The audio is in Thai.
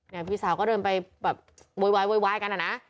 นี่พี่สาวก็เดินไปโวกหวายกันเนาะนะ